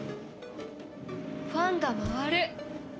ファンが回る！